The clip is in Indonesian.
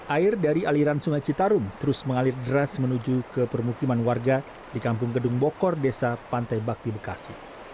air dari aliran sungai citarum terus mengalir deras menuju ke permukiman warga di kampung gedung bokor desa pantai bakti bekasi